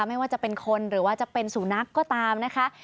ไม่ว่าจะเป็นคนหรือว่าจะเป็นสูนักก็ตามนะคะ